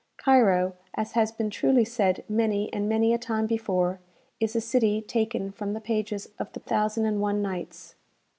Cairo, as has been truly said many and many a time before, is a city taken from the pages of the "Thousand and One Nights."